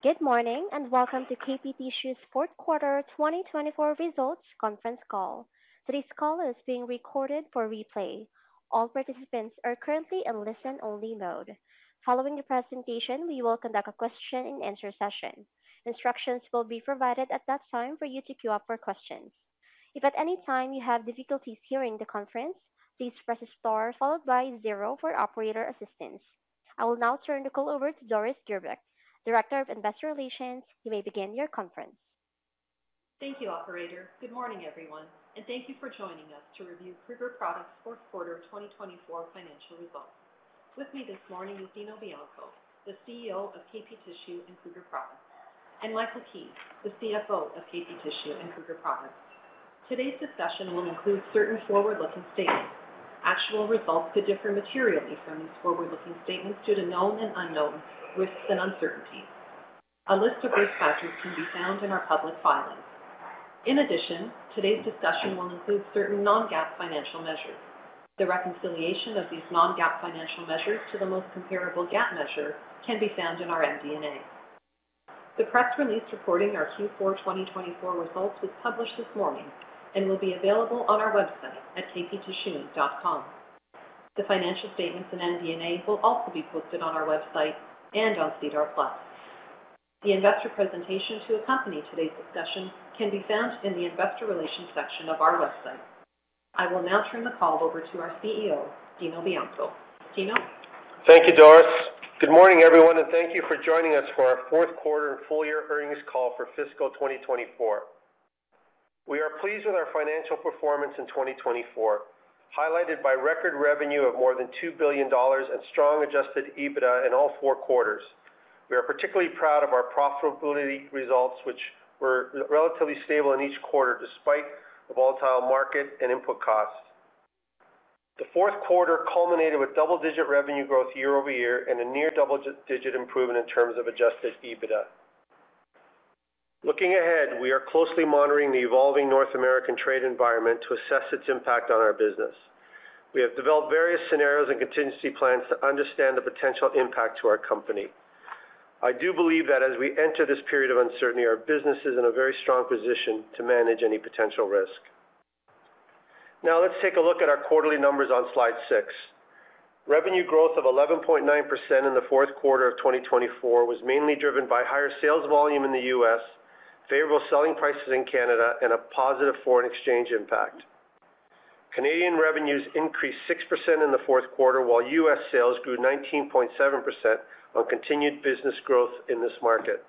Good morning and welcome to KP Tissue's Fourth Quarter 2024 Results Conference Call. This call is being recorded for replay. All participants are currently in listen-only mode. Following the presentation, we will conduct a question-and-answer session. Instructions will be provided at that time for you to queue up for questions. If at any time you have difficulties hearing the conference, please press star followed by zero for operator assistance. I will now turn the call over to Doris Grbic, Director of Investor Relations. You may begin your conference. Thank you, Operator. Good morning, everyone, and thank you for joining us to review Kruger Products' fourth quarter 2024 financial results. With me this morning is Dino Bianco, the CEO of KP Tissue and Kruger Products, and Michael Keays, the CFO of KP Tissue and Kruger Products. Today's discussion will include certain forward-looking statements. Actual results could differ materially from these forward-looking statements due to known and unknown risks and uncertainties. A list of risk factors can be found in our public filings. In addition, today's discussion will include certain non-GAAP financial measures. The reconciliation of these non-GAAP financial measures to the most comparable GAAP measure can be found in our MD&A. The press release reporting our Q4 2024 results was published this morning and will be available on our website at kptissueinc.com. The financial statements and MD&A will also be posted on our website and on SEDAR+. The investor presentation to accompany today's discussion can be found in the Investor Relations section of our website. I will now turn the call over to our CEO, Dino Bianco. Dino? Thank you, Doris. Good morning, everyone, and thank you for joining us for our Fourth Quarter and Full Year Earnings Call for Fiscal 2024. We are pleased with our financial performance in 2024, highlighted by record revenue of more than 2 billion dollars and strong adjusted EBITDA in all four quarters. We are particularly proud of our profitability results, which were relatively stable in each quarter despite a volatile market and input costs. The fourth quarter culminated with double-digit revenue growth year-over-year and a near double-digit improvement in terms of adjusted EBITDA. Looking ahead, we are closely monitoring the evolving North American trade environment to assess its impact on our business. We have developed various scenarios and contingency plans to understand the potential impact to our company. I do believe that as we enter this period of uncertainty, our business is in a very strong position to manage any potential risk. Now, let's take a look at our quarterly numbers on slide six. Revenue growth of 11.9% in the fourth quarter of 2024 was mainly driven by higher sales volume in the U.S., favorable selling prices in Canada, and a positive foreign exchange impact. Canadian revenues increased 6% in the fourth quarter, while U.S. sales grew 19.7% on continued business growth in this market.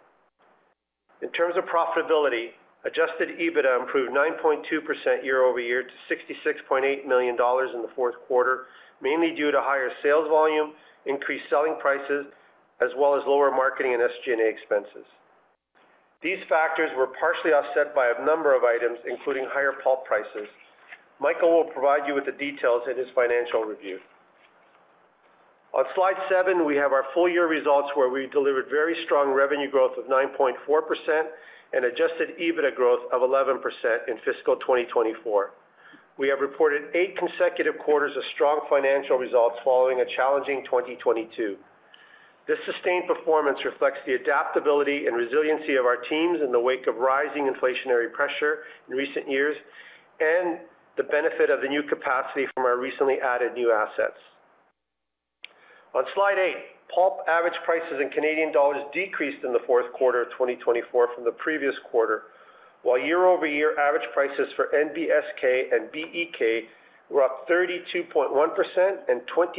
In terms of profitability, adjusted EBITDA improved 9.2% year-over-year to 66.8 million dollars in the fourth quarter, mainly due to higher sales volume, increased selling prices, as well as lower marketing and SG&A expenses. These factors were partially offset by a number of items, including higher pulp prices. Michael will provide you with the details in his financial review. On slide seven, we have our full-year results, where we delivered very strong revenue growth of 9.4% and adjusted EBITDA growth of 11% in fiscal 2024. We have reported eight consecutive quarters of strong financial results following a challenging 2022. This sustained performance reflects the adaptability and resiliency of our teams in the wake of rising inflationary pressure in recent years and the benefit of the new capacity from our recently added new assets. On slide eight, pulp average prices in Canadian dollars decreased in the fourth quarter of 2024 from the previous quarter, while year-over-year average prices for NBSK and BEK were up 32.1% and 22.9%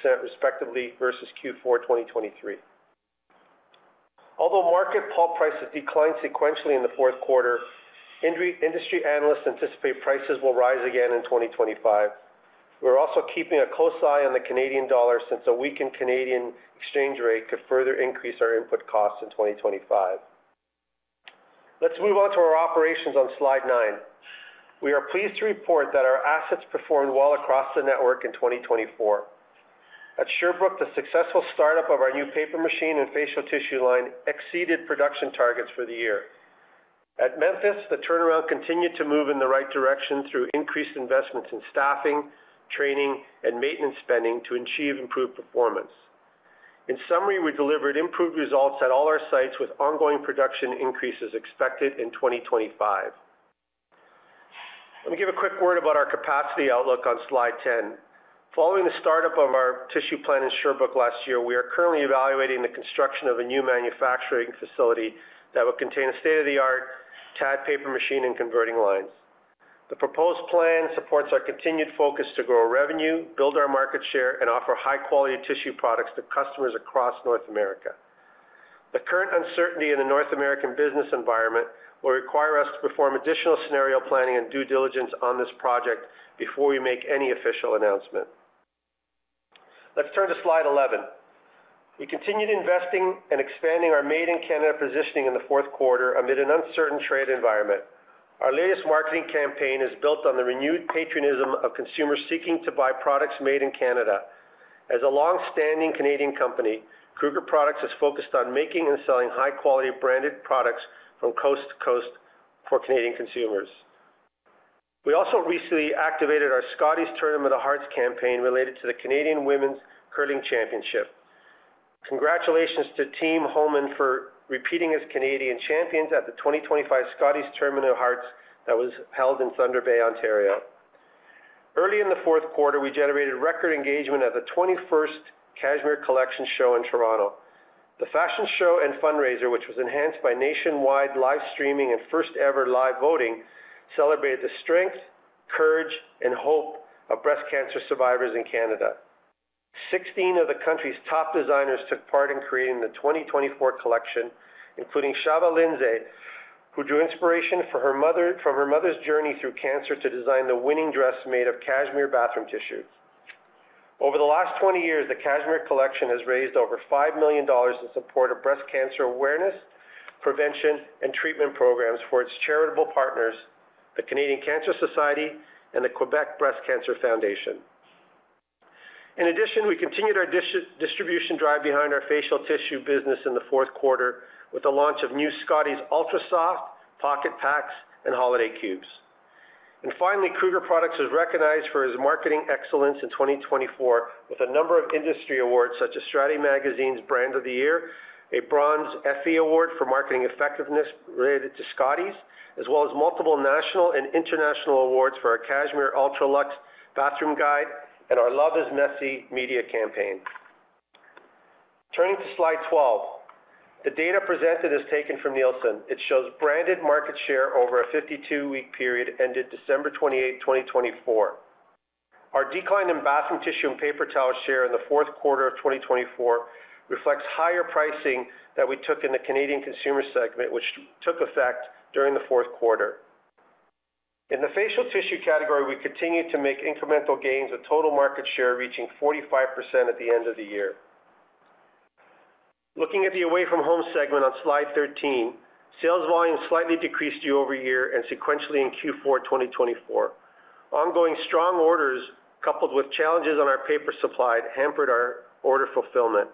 respectively versus Q4 2023. Although market pulp prices declined sequentially in the fourth quarter, industry analysts anticipate prices will rise again in 2025. We're also keeping a close eye on the Canadian dollar since a weakened Canadian exchange rate could further increase our input costs in 2025. Let's move on to our operations on slide nine. We are pleased to report that our assets performed well across the network in 2024. At Sherbrooke, the successful startup of our new paper machine and facial tissue line exceeded production targets for the year. At Memphis, the turnaround continued to move in the right direction through increased investments in staffing, training, and maintenance spending to achieve improved performance. In summary, we delivered improved results at all our sites with ongoing production increases expected in 2025. Let me give a quick word about our capacity outlook on slide ten. Following the startup of our tissue plant in Sherbrooke last year, we are currently evaluating the construction of a new manufacturing facility that will contain a state-of-the-art TAD paper machine and converting lines. The proposed plan supports our continued focus to grow revenue, build our market share, and offer high-quality tissue products to customers across North America. The current uncertainty in the North American business environment will require us to perform additional scenario planning and due diligence on this project before we make any official announcement. Let's turn to slide 11. We continued investing and expanding our made-in-Canada positioning in the fourth quarter amid an uncertain trade environment. Our latest marketing campaign is built on the renewed patronism of consumers seeking to buy products made in Canada. As a long-standing Canadian company, Kruger Products has focused on making and selling high-quality branded products from coast to coast for Canadian consumers. We also recently activated our Scotties Tournament of Hearts campaign related to the Canadian Women's Curling Championship. Congratulations to Team Homan for repeating as Canadian champions at the 2025 Scotties Tournament of Hearts that was held in Thunder Bay, Ontario. Early in the fourth quarter, we generated record engagement at the 21st Cashmere Collection Show in Toronto. The fashion show and fundraiser, which was enhanced by nationwide live streaming and first-ever live voting, celebrated the strength, courage, and hope of breast cancer survivors in Canada. Sixteen of the country's top designers took part in creating the 2024 collection, including Chavah Lindsay, who drew inspiration from her mother's journey through cancer to design the winning dress made of Cashmere bathroom tissue. Over the last 20 years, the Cashmere Collection has raised over 5 million dollars in support of breast cancer awareness, prevention, and treatment programs for its charitable partners, the Canadian Cancer Society and the Quebec Breast Cancer Foundation. In addition, we continued our distribution drive behind our facial tissue business in the fourth quarter with the launch of new Scotties Ultra Soft Pocket Packs and Holiday Cubes. Finally, Kruger Products was recognized for its marketing excellence in 2024 with a number of industry awards such as Strategy Magazine's Brand of the Year, a Bronze Effie Award for marketing effectiveness related to Scotties, as well as multiple national and international awards for our Cashmere UltraLuxe Bathroom Guide and our Love Is Messy Media Campaign. Turning to slide 12, the data presented is taken from Nielsen. It shows branded market share over a 52-week period ended December 28, 2024. Our decline in bathroom tissue and paper towel share in the fourth quarter of 2024 reflects higher pricing that we took in the Canadian consumer segment, which took effect during the fourth quarter. In the facial tissue category, we continued to make incremental gains, with total market share reaching 45% at the end of the year. Looking at the away-from-home segment on slide 13, sales volume slightly decreased year-over-year and sequentially in Q4 2024. Ongoing strong orders, coupled with challenges on our paper supply, hampered our order fulfillment.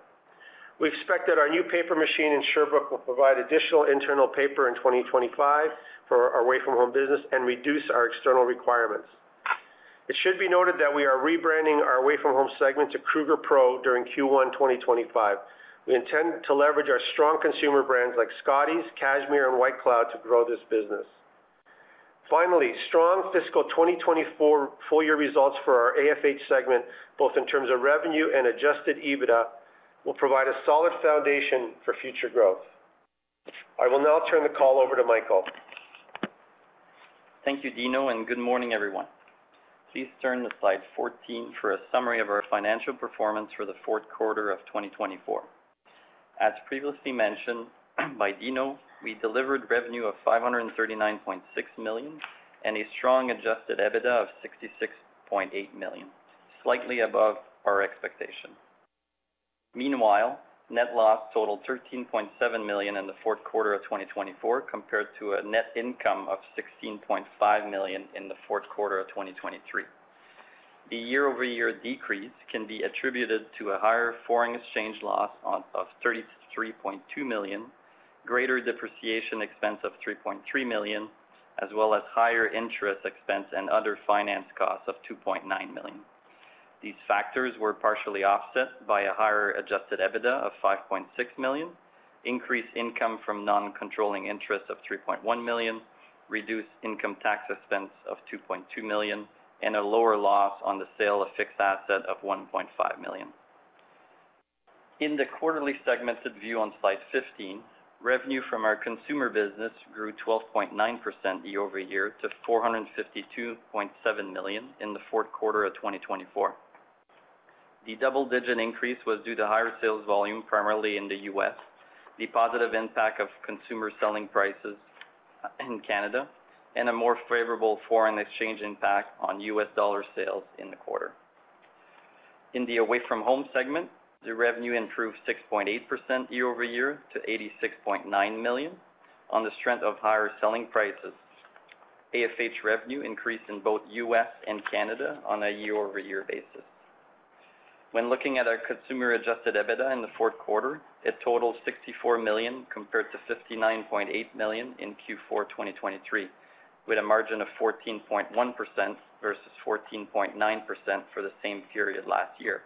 We expect that our new paper machine in Sherbrooke will provide additional internal paper in 2025 for our away-from-home business and reduce our external requirements. It should be noted that we are rebranding our away-from-home segment to Kruger Pro during Q1 2025. We intend to leverage our strong consumer brands like Scotties, Cashmere, and White Cloud to grow this business. Finally, strong fiscal 2024 full year results for our AFH segment, both in terms of revenue and adjusted EBITDA, will provide a solid foundation for future growth. I will now turn the call over to Michael. Thank you, Dino, and good morning, everyone. Please turn to slide 14 for a summary of our financial performance for the fourth quarter of 2024. As previously mentioned by Dino, we delivered revenue of 539.6 million and a strong adjusted EBITDA of 66.8 million, slightly above our expectation. Meanwhile, net loss totaled 13.7 million in the fourth quarter of 2024, compared to a net income of 16.5 million in the fourth quarter of 2023. The year-over-year decrease can be attributed to a higher foreign exchange loss of 33.2 million, greater depreciation expense of 3.3 million, as well as higher interest expense and other finance costs of 2.9 million. These factors were partially offset by a higher adjusted EBITDA of 5.6 million, increased income from non-controlling interest of 3.1 million, reduced income tax expense of 2.2 million, and a lower loss on the sale of fixed asset of 1.5 million. In the quarterly segmented view on slide 15, revenue from our consumer business grew 12.9% year-over-year to 452.7 million in the fourth quarter of 2024. The double-digit increase was due to higher sales volume, primarily in the U.S., the positive impact of consumer selling prices in Canada, and a more favorable foreign exchange impact on U.S. dollar sales in the quarter. In the away-from-home segment, the revenue improved 6.8% year-over-year to 86.9 million on the strength of higher selling prices. AFH revenue increased in both U.S. and Canada on a year-over-year basis. When looking at our consumer-adjusted EBITDA in the fourth quarter, it totaled 64 million compared to 59.8 million in Q4 2023, with a margin of 14.1% versus 14.9% for the same period last year.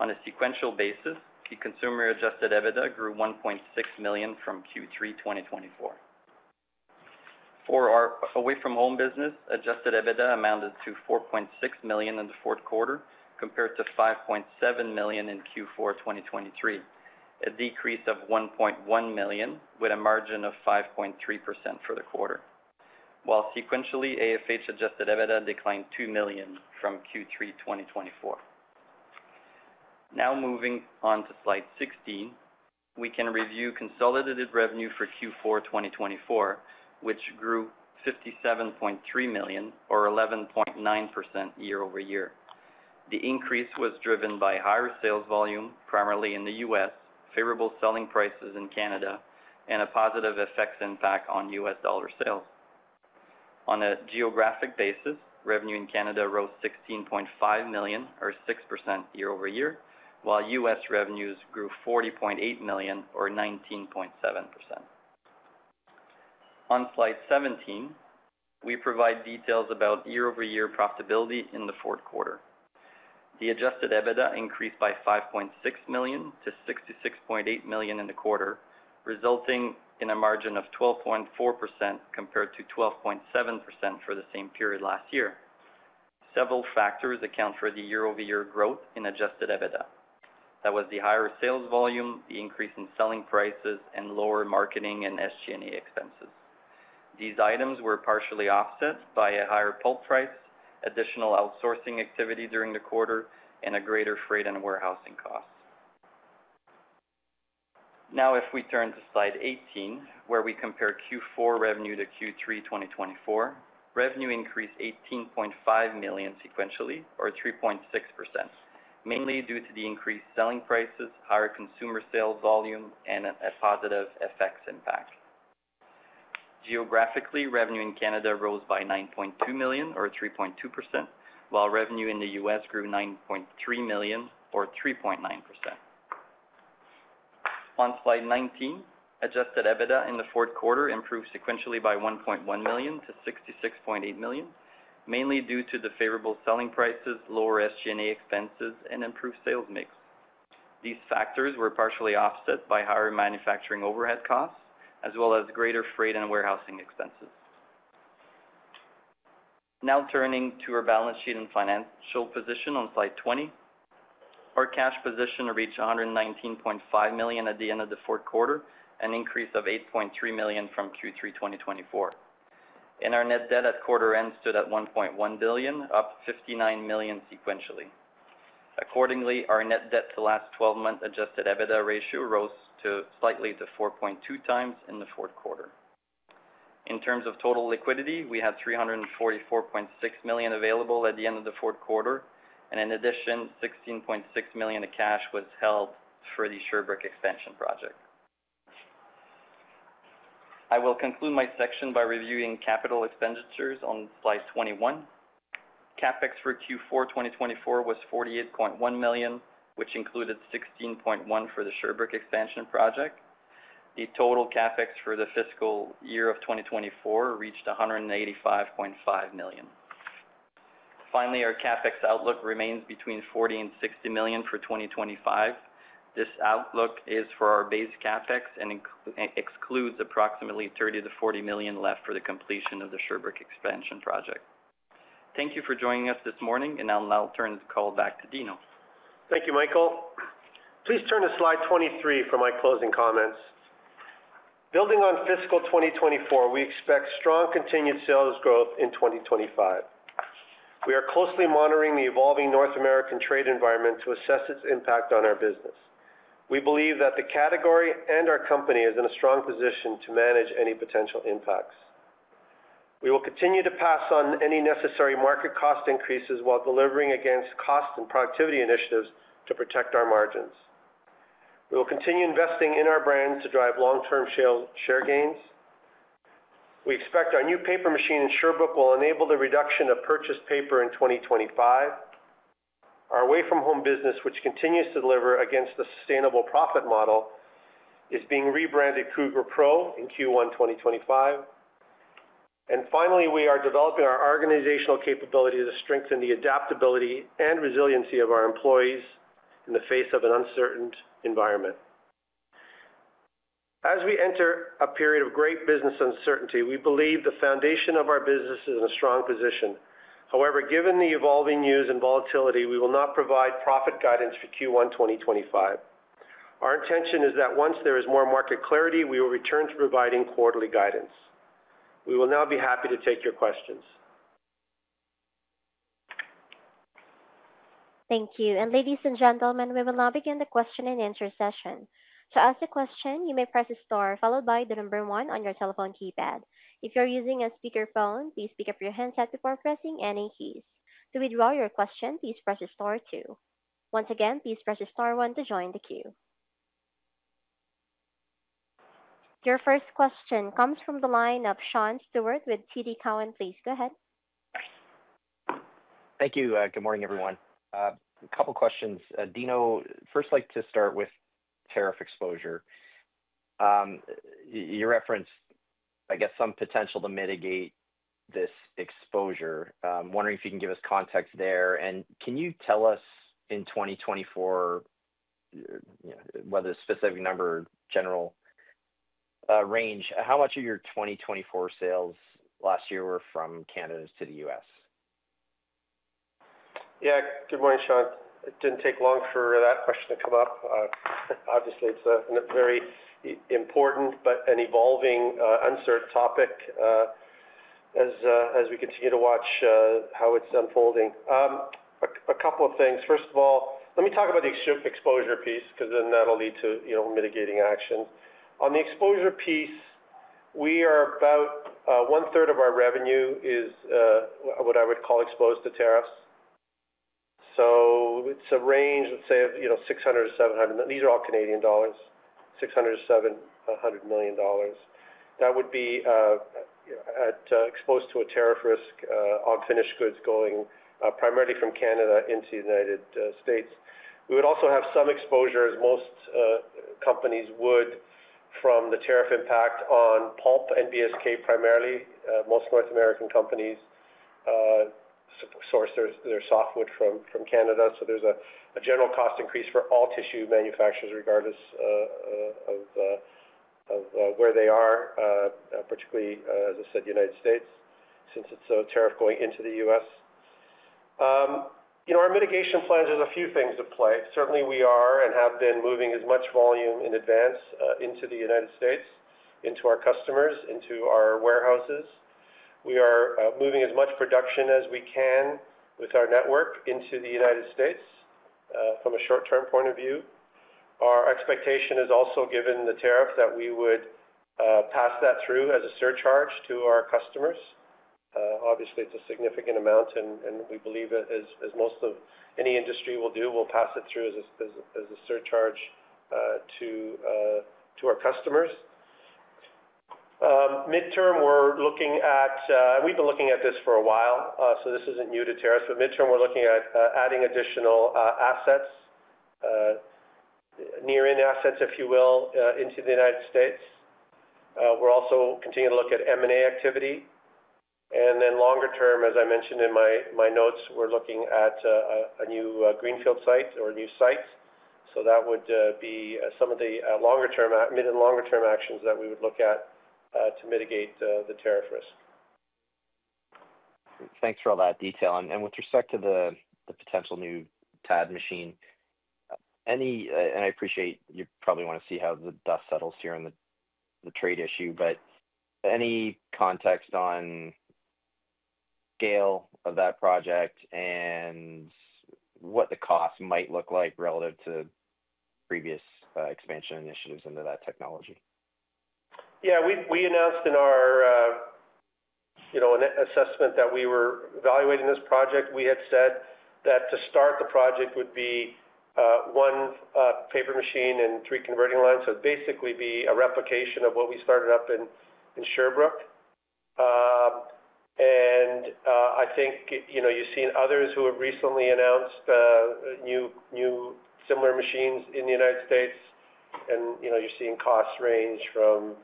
On a sequential basis, the consumer adjusted EBITDA grew 1.6 million from Q3 2024. For our away-from-home business, adjusted EBITDA amounted to 4.6 million in the fourth quarter, compared to 5.7 million in Q4 2023, a decrease of 1.1 million, with a margin of 5.3% for the quarter, while sequentially AFH adjusted EBITDA declined 2 million from Q3 2024. Now moving on to slide 16, we can review consolidated revenue for Q4 2024, which grew 57.3 million, or 11.9% year-over-year. The increase was driven by higher sales volume, primarily in the U.S., favorable selling prices in Canada, and a positive FX impact on U.S. dollar sales. On a geographic basis, revenue in Canada rose 16.5 million, or 6% year-over-year, while U.S. revenues grew 40.8 million, or 19.7%. On slide 17, we provide details about year-over-year profitability in the fourth quarter. The adjusted EBITDA increased by 5.6 million-66.8 million in the quarter, resulting in a margin of 12.4% compared to 12.7% for the same period last year. Several factors account for the year-over-year growth in adjusted EBITDA. That was the higher sales volume, the increase in selling prices, and lower marketing and SG&A expenses. These items were partially offset by a higher pulp price, additional outsourcing activity during the quarter, and a greater freight and warehousing cost. Now, if we turn to slide 18, where we compare Q4 revenue to Q3 2024, revenue increased 18.5 million sequentially, or 3.6%, mainly due to the increased selling prices, higher consumer sales volume, and a positive FX impact. Geographically, revenue in Canada rose by 9.2 million, or 3.2%, while revenue in the U.S. grew 9.3 million, or 3.9%. On slide 19, adjusted EBITDA in the fourth quarter improved sequentially by 1.1 million-66.8 million, mainly due to the favorable selling prices, lower SG&A expenses, and improved sales mix. These factors were partially offset by higher manufacturing overhead costs, as well as greater freight and warehousing expenses. Now turning to our balance sheet and financial position on slide 20, our cash position reached 119.5 million at the end of the fourth quarter, an increase of 8.3 million from Q3 2024. Our net debt at quarter end stood at 1.1 billion, up 59 million sequentially. Accordingly, our net debt-to-last-12-month adjusted EBITDA ratio rose slightly to 4.2x in the fourth quarter. In terms of total liquidity, we had 344.6 million available at the end of the fourth quarter, and in addition, 16.6 million of cash was held for the Sherbrooke expansion project. I will conclude my section by reviewing capital expenditures on slide 21. CapEx for Q4 2024 was 48.1 million, which included 16.1 million for the Sherbrooke expansion project. The total CapEx for the fiscal year of 2024 reached 185.5 million. Finally, our CapEx outlook remains between 40 million-60 million for 2025. This outlook is for our base CapEx and excludes approximately 30 million-40 million left for the completion of the Sherbrooke expansion project. Thank you for joining us this morning, and I'll now turn the call back to Dino. Thank you, Michael. Please turn to slide 23 for my closing comments. Building on fiscal 2024, we expect strong continued sales growth in 2025. We are closely monitoring the evolving North American trade environment to assess its impact on our business. We believe that the category and our company are in a strong position to manage any potential impacts. We will continue to pass on any necessary market cost increases while delivering against cost and productivity initiatives to protect our margins. We will continue investing in our brands to drive long-term share gains. We expect our new paper machine in Sherbrooke will enable the reduction of purchased paper in 2025. Our away-from-home business, which continues to deliver against the sustainable profit model, is being rebranded Kruger Pro in Q1 2025. We are developing our organizational capability to strengthen the adaptability and resiliency of our employees in the face of an uncertain environment. As we enter a period of great business uncertainty, we believe the foundation of our business is in a strong position. However, given the evolving news and volatility, we will not provide profit guidance for Q1 2025. Our intention is that once there is more market clarity, we will return to providing quarterly guidance. We will now be happy to take your questions. Thank you. Ladies and gentlemen, we will now begin the question and answer session. To ask a question, you may press star followed by the number one on your telephone keypad. If you are using a speakerphone, please pick up your headset before pressing any keys. To withdraw your question, please press star two. Once again, please press star one to join the queue. Your first question comes from the line of Sean Steuart with TD Cowen. Please go ahead. Thank you. Good morning, everyone. A couple of questions. Dino, first, I'd like to start with tariff exposure. You referenced, I guess, some potential to mitigate this exposure. I'm wondering if you can give us context there. Can you tell us in 2024, whether it's a specific number or general range, how much of your 2024 sales last year were from Canada to the U.S.? Yeah. Good morning, Sean. It did not take long for that question to come up. Obviously, it is a very important but an evolving, uncertain topic as we continue to watch how it is unfolding. A couple of things. First of all, let me talk about the exposure piece because then that will lead to mitigating actions. On the exposure piece, we are about one-third of our revenue is what I would call exposed to tariffs. It is a range, let's say, of 600 million-700 million. These are all Canadian dollars, 600 million-700 million dollars. That would be exposed to a tariff risk on finished goods going primarily from Canada into the U.S. We would also have some exposure, as most companies would, from the tariff impact on pulp and NBSK primarily. Most North American companies source their softwood from Canada. There is a general cost increase for all tissue manufacturers, regardless of where they are, particularly, as I said, the United States, since it is a tariff going into the U.S. Our mitigation plans have a few things at play. Certainly, we are and have been moving as much volume in advance into the United States, into our customers, into our warehouses. We are moving as much production as we can with our network into the United States from a short-term point of view. Our expectation is also, given the tariff, that we would pass that through as a surcharge to our customers. Obviously, it is a significant amount, and we believe, as most of any industry will do, we will pass it through as a surcharge to our customers. Midterm, we're looking at—and we've been looking at this for a while, so this isn't new to tariffs—but midterm, we're looking at adding additional assets, near-in assets, if you will, into the United States. We're also continuing to look at M&A activity. Longer term, as I mentioned in my notes, we're looking at a new greenfield site or new sites. That would be some of the mid and longer-term actions that we would look at to mitigate the tariff risk. Thanks for all that detail. With respect to the potential new TAD machine, I appreciate you probably want to see how the dust settles here on the trade issue, but any context on scale of that project and what the cost might look like relative to previous expansion initiatives into that technology? Yeah. We announced in our assessment that we were evaluating this project. We had said that to start, the project would be one paper machine and three converting lines. It would basically be a replication of what we started up in Sherbrooke. I think you've seen others who have recently announced new similar machines in the United States, and you're seeing costs range from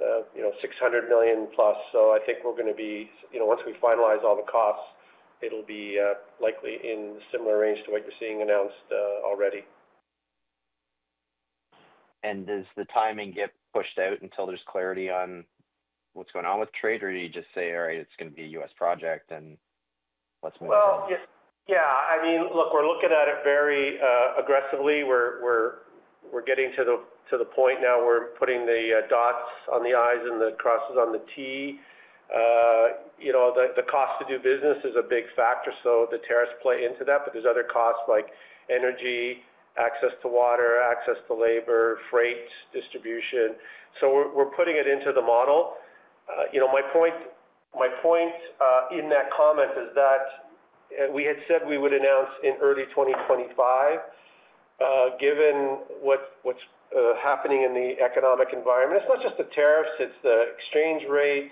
600 million+. I think we are going to be, once we finalize all the costs, it will be likely in the similar range to what you're seeing announced already. Does the timing get pushed out until there's clarity on what's going on with trade, or do you just say, "All right, it's going to be a U.S. project, and let's move on"? Yeah. I mean, look, we're looking at it very aggressively. We're getting to the point now. We're putting the dots on the I's and the crosses on the T. The cost to do business is a big factor, so the tariffs play into that. There are other costs like energy, access to water, access to labor, freight distribution. We're putting it into the model. My point in that comment is that we had said we would announce in early 2025, given what's happening in the economic environment. It's not just the tariffs. It's the exchange rate.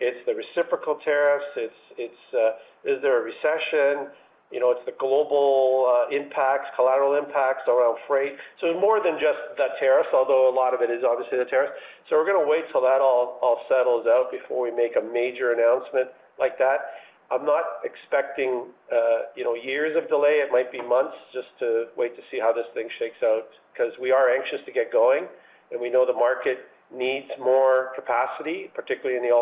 It's the reciprocal tariffs. Is there a recession? It's the global impacts, collateral impacts around freight. It's more than just the tariffs, although a lot of it is obviously the tariffs. We're going to wait till that all settles out before we make a major announcement like that. I'm not expecting years of delay. It might be months just to wait to see how this thing shakes out because we are anxious to get going, and we know the market needs more capacity, particularly in the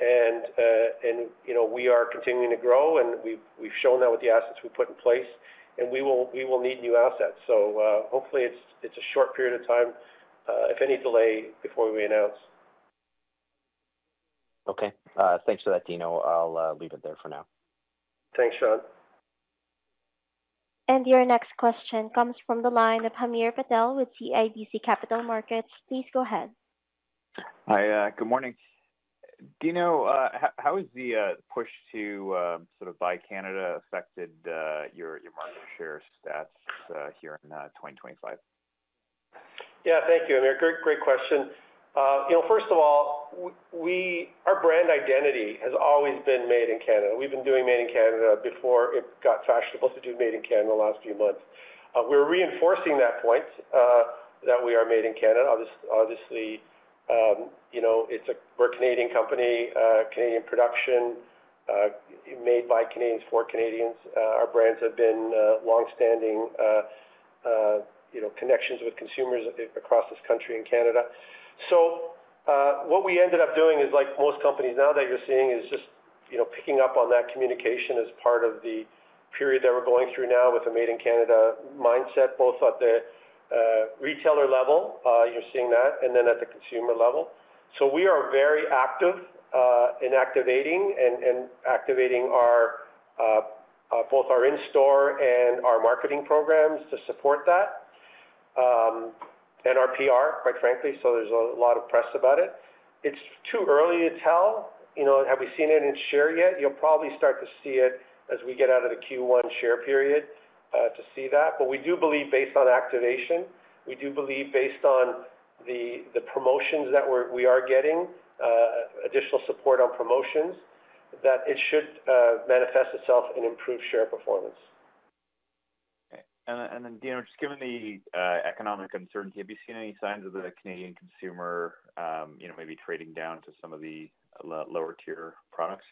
ultra-premium. We are continuing to grow, and we've shown that with the assets we put in place. We will need new assets. Hopefully, it's a short period of time, if any delay, before we announce. Okay. Thanks for that, Dino. I'll leave it there for now. Thanks, Sean. Your next question comes from the line of Hamir Patel with CIBC Capital Markets. Please go ahead. Hi. Good morning. Dino, how has the push to sort of buy Canada affected your market share stats here in 2025? Yeah. Thank you, Hamir. Great question. First of all, our brand identity has always been made in Canada. We've been doing made in Canada before it got fashionable to do made in Canada the last few months. We're reinforcing that point that we are made in Canada. Obviously, we're a Canadian company, Canadian production, made by Canadians, for Canadians. Our brands have been long-standing connections with consumers across this country and Canada. What we ended up doing is, like most companies now that you're seeing, is just picking up on that communication as part of the period that we're going through now with the made in Canada mindset, both at the retailer level—you are seeing that—and then at the consumer level. We are very active in activating and activating both our in-store and our marketing programs to support that and our PR, quite frankly. There is a lot of press about it. It's too early to tell. Have we seen any share yet? You'll probably start to see it as we get out of the Q1 share period to see that. We do believe, based on activation, we do believe, based on the promotions that we are getting, additional support on promotions, that it should manifest itself in improved share performance. Okay. Dino, just given the economic uncertainty, have you seen any signs of the Canadian consumer maybe trading down to some of the lower-tier products?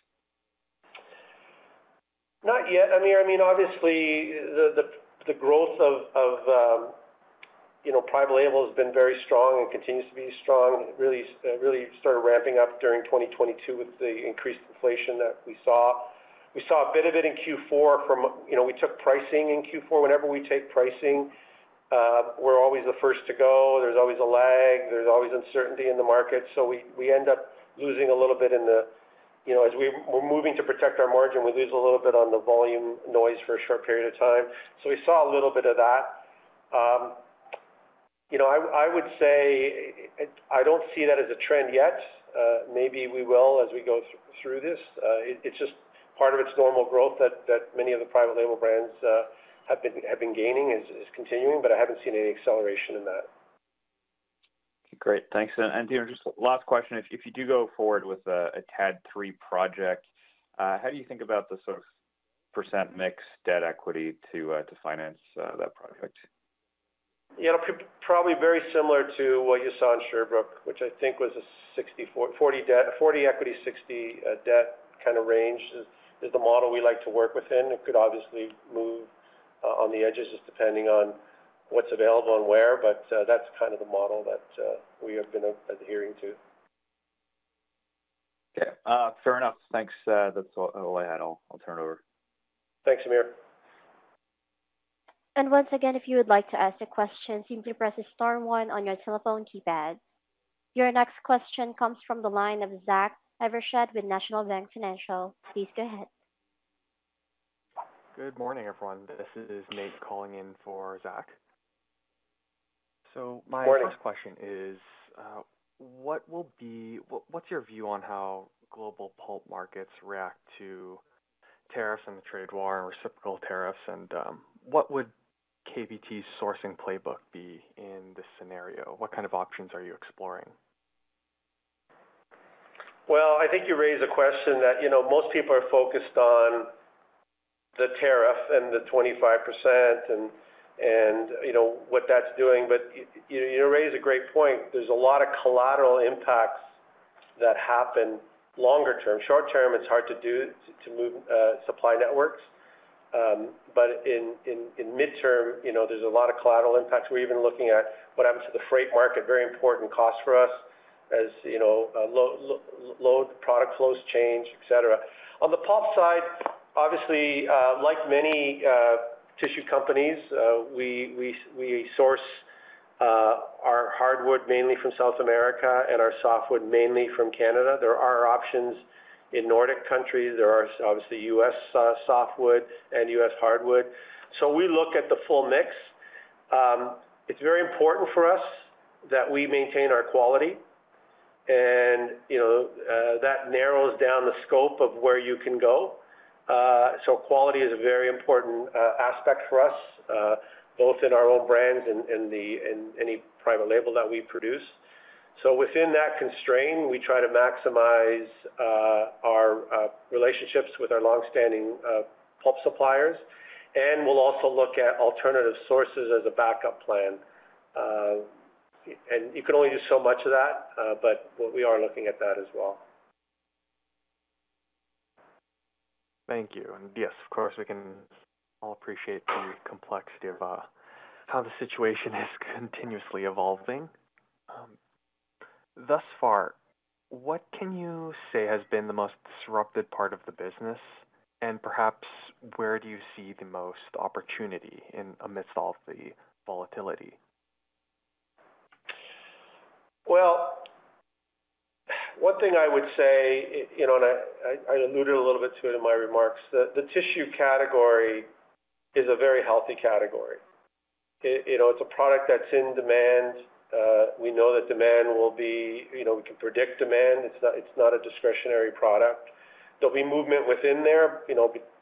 Not yet, Hamir. I mean, obviously, the growth of private label has been very strong and continues to be strong. It really started ramping up during 2022 with the increased inflation that we saw. We saw a bit of it in Q4 from we took pricing in Q4. Whenever we take pricing, we're always the first to go. There's always a lag. There's always uncertainty in the market. We end up losing a little bit in the—as we're moving to protect our margin, we lose a little bit on the volume noise for a short period of time. We saw a little bit of that. I would say I don't see that as a trend yet. Maybe we will as we go through this. It's just part of its normal growth that many of the private label brands have been gaining is continuing, but I haven't seen any acceleration in that. Okay. Great. Thanks. Dino, just last question. If you do go forward with a TAD 3 project, how do you think about the sort of percent mix debt equity to finance that project? Yeah. Probably very similar to what you saw in Sherbrooke, which I think was a 40% equity, 60% debt kind of range is the model we like to work within. It could obviously move on the edges just depending on what's available and where, but that's kind of the model that we have been adhering to. Okay. Fair enough. Thanks. That's all I had. I'll turn it over. Thanks, Hamir. If you would like to ask a question, simply press star one on your telephone keypad. Your next question comes from the line of Zach Evershed with National Bank Financial. Please go ahead. Good morning, everyone. This is Nate calling in for Zach. My next question is, what's your view on how global pulp markets react to tariffs and the trade war and reciprocal tariffs? What would KPT's sourcing playbook be in this scenario? What kind of options are you exploring? I think you raise a question that most people are focused on the tariff and the 25% and what that's doing. You raise a great point. There are a lot of collateral impacts that happen longer term. Short term, it's hard to move supply networks. In the midterm, there are a lot of collateral impacts. We're even looking at what happens to the freight market. Very important cost for us as load product flows change, etc. On the pulp side, obviously, like many tissue companies, we source our hardwood mainly from South America and our softwood mainly from Canada. There are options in Nordic countries. There are obviously U.S. softwood and U.S. hardwood. We look at the full mix. It's very important for us that we maintain our quality. That narrows down the scope of where you can go. Quality is a very important aspect for us, both in our own brands and any private label that we produce. Within that constraint, we try to maximize our relationships with our long-standing pulp suppliers. We also look at alternative sources as a backup plan. You can only do so much of that, but we are looking at that as well. Thank you. Yes, of course, we can all appreciate the complexity of how the situation is continuously evolving. Thus far, what can you say has been the most disruptive part of the business? Perhaps, where do you see the most opportunity amidst all of the volatility? One thing I would say, and I alluded a little bit to it in my remarks, the tissue category is a very healthy category. It's a product that's in demand. We know that demand will be—we can predict demand. It's not a discretionary product. There'll be movement within there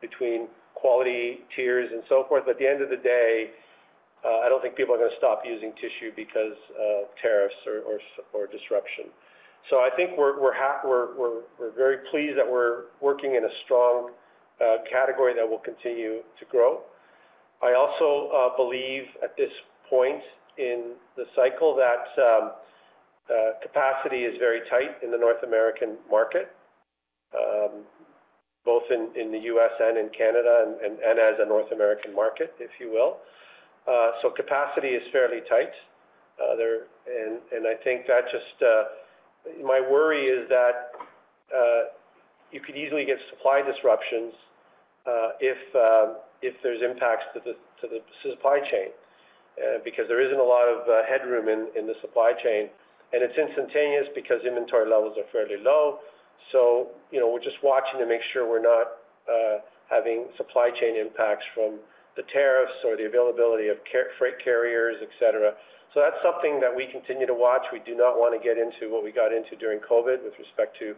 between quality tiers and so forth. At the end of the day, I don't think people are going to stop using tissue because of tariffs or disruption. I think we're very pleased that we're working in a strong category that will continue to grow. I also believe at this point in the cycle that capacity is very tight in the North American market, both in the U.S. and in Canada and as a North American market, if you will. Capacity is fairly tight. I think that just my worry is that you could easily get supply disruptions if there's impacts to the supply chain because there isn't a lot of headroom in the supply chain. It's instantaneous because inventory levels are fairly low. We're just watching to make sure we're not having supply chain impacts from the tariffs or the availability of freight carriers, etc. That's something that we continue to watch. We do not want to get into what we got into during COVID with respect to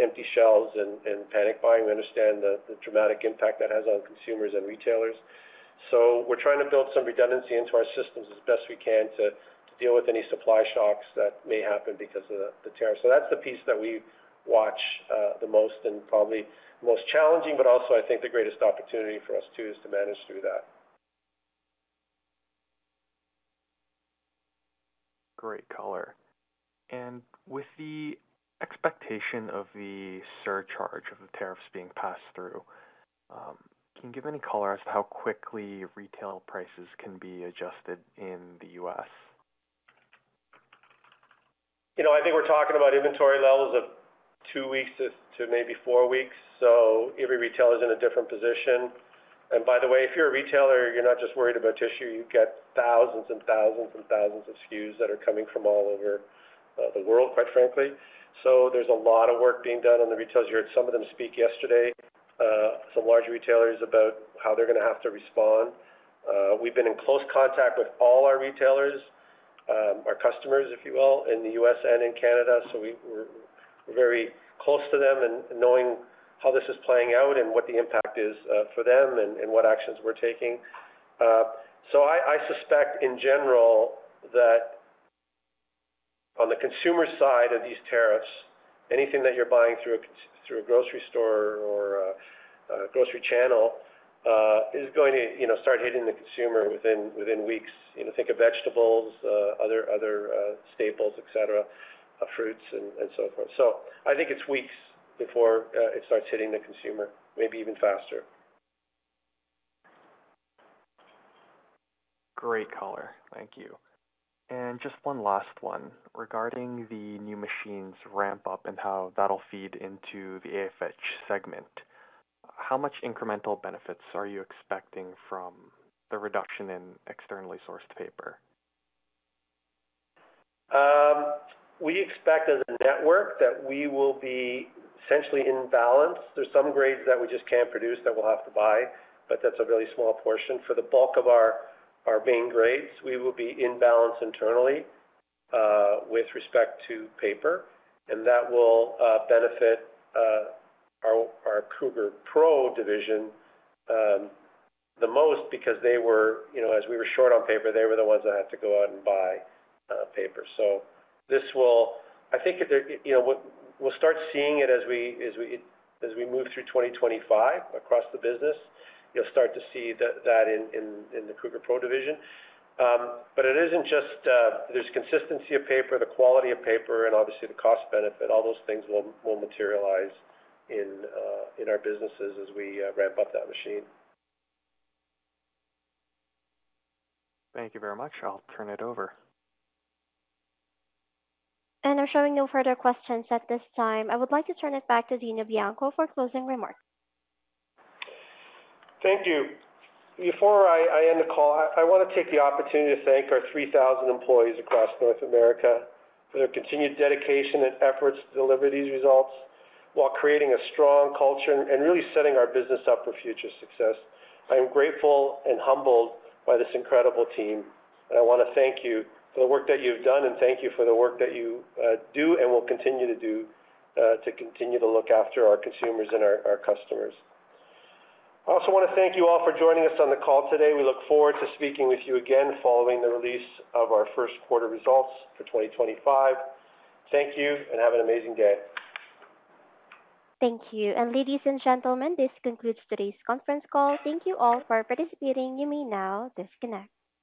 empty shelves and panic buying. We understand the dramatic impact that has on consumers and retailers. We're trying to build some redundancy into our systems as best we can to deal with any supply shocks that may happen because of the tariffs. That's the piece that we watch the most and probably most challenging, but also I think the greatest opportunity for us too is to manage through that. Great color. With the expectation of the surcharge of the tariffs being passed through, can you give any color as to how quickly retail prices can be adjusted in the U.S.? I think we're talking about inventory levels of two weeks to maybe four weeks. Every retailer is in a different position. By the way, if you're a retailer, you're not just worried about tissue. You get thousands and thousands and thousands of SKUs that are coming from all over the world, quite frankly. There's a lot of work being done on the retailers. Some of them spoke yesterday, some large retailers, about how they're going to have to respond. We've been in close contact with all our retailers, our customers, if you will, in the U.S. and in Canada. We're very close to them and knowing how this is playing out and what the impact is for them and what actions we're taking. I suspect, in general, that on the consumer side of these tariffs, anything that you're buying through a grocery store or a grocery channel is going to start hitting the consumer within weeks. Think of vegetables, other staples, etc., fruits, and so forth. I think it's weeks before it starts hitting the consumer, maybe even faster. Great color. Thank you. Just one last one regarding the new machines ramp-up and how that'll feed into the AFH segment. How much incremental benefits are you expecting from the reduction in externally sourced paper? We expect as a network that we will be essentially in balance. There are some grades that we just can't produce that we'll have to buy, but that's a really small portion. For the bulk of our main grades, we will be in balance internally with respect to paper. That will benefit our Kruger Pro division the most because they were, as we were short on paper, they were the ones that had to go out and buy paper. This will, I think, we'll start seeing it as we move through 2025 across the business. You'll start to see that in the Kruger Pro division. It isn't just there's consistency of paper, the quality of paper, and obviously the cost benefit. All those things will materialize in our businesses as we ramp up that machine. Thank you very much. I'll turn it over. There are no further questions at this time. I would like to turn it back to Dino Bianco for closing remarks. Thank you. Before I end the call, I want to take the opportunity to thank our 3,000 employees across North America for their continued dedication and efforts to deliver these results while creating a strong culture and really setting our business up for future success. I'm grateful and humbled by this incredible team. I want to thank you for the work that you've done and thank you for the work that you do and will continue to do to continue to look after our consumers and our customers. I also want to thank you all for joining us on the call today. We look forward to speaking with you again following the release of our first quarter results for 2025. Thank you and have an amazing day. Thank you. Ladies and gentlemen, this concludes today's conference call. Thank you all for participating. You may now disconnect.